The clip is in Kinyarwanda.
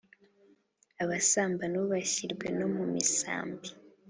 abasamba ntubashyirwe no mu misambi